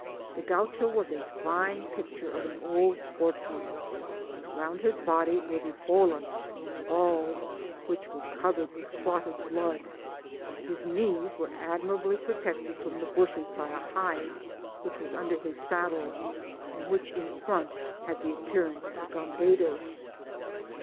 The Gaucho was a fine picture of an old Sportsman. Bound his body were the "bolas" (balls), which were covered with clotted blood. His knees were admirably protected from the bushes by a hide which was under his saddle, and which in front had the appearance of gambadoes.